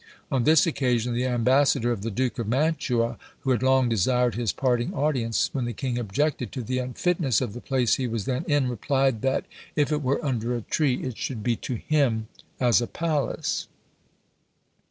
On this occasion the ambassador of the Duke of Mantua, who had long desired his parting audience, when the king objected to the unfitness of the place he was then in, replied, that, "if it were under a tree, it should be to him as a palace."